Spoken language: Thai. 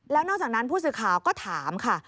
แล้วนอกจากนั้นผู้สื่อข่าวก็ถามค่ะ